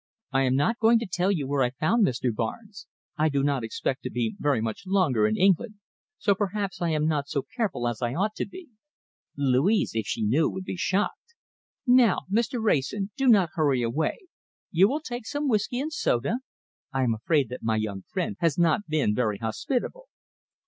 "I am not going to tell you where I found Mr. Barnes. I do not expect to be very much longer in England, so perhaps I am not so careful as I ought to be. Louise, if she knew, would be shocked. Now, Mr. Wrayson, do not hurry away. You will take some whisky and soda? I am afraid that my young friend has not been very hospitable."